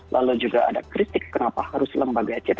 lalu juga ada kritik kenapa harus lembaga ct